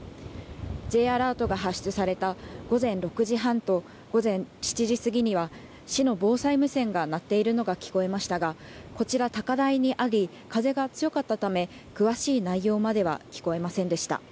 Ｊアラートが発出された午前６時半と午前７時過ぎには市の防災無線が鳴っているのが聞こえましたがこちら高台にあり、風が強かったため詳しい内容までは聞こえませんでした。